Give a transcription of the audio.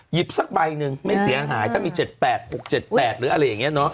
สักใบหนึ่งไม่เสียหายถ้ามี๗๘๖๗๘หรืออะไรอย่างนี้เนอะ